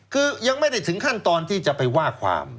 คือยังไม่ได้ถึงขั้นตอนที่จะไปว่าความ